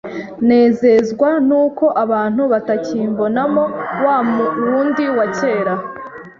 nezezwa n’uko abantu batakimbonamo wa wundi wa kera